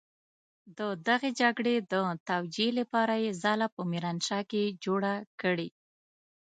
د دغې جګړې د توجيې لپاره يې ځاله په ميرانشاه کې جوړه کړې.